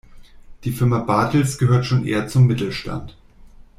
Die Firma Bartels gehört schon eher zum Mittelstand.